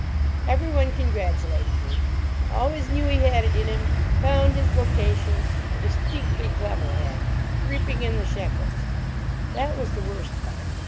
Everyone congratulated me. "Always knew he had it in him," "Found his vocation," "A distinctly clever head," "Reaping in the shekels"—that was the worst part.